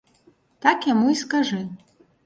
Так яму і скажы.